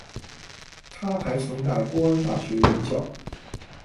他还曾在波恩大学任教。